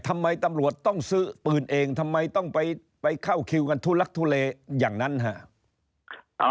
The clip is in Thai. ทำไมตำรวจต้องซื้อปืนเองทำไมต้องไปเข้าคิวกันทุลักทุเลอย่างนั้นฮะ